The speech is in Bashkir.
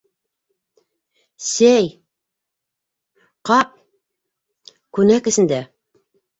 — Сәй... ҡап... күнәк эсендә...